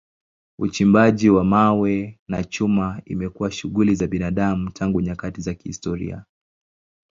Uchimbaji wa mawe na chuma imekuwa shughuli za binadamu tangu nyakati za kihistoria.